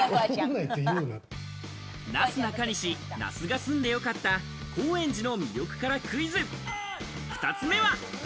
なすなかにし・那須が住んで良かった高円寺の魅力からクイズ、２つ目は。